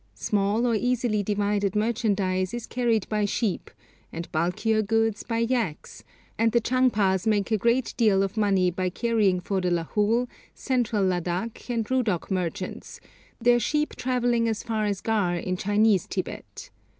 Small or easily divided merchandise is carried by sheep, and bulkier goods by yaks, and the Chang pas make a great deal of money by carrying for the Lahul, Central Ladak, and Rudok merchants, their sheep travelling as far as Gar in Chinese Tibet.